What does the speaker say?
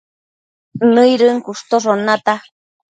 nëidën cushtoshon nata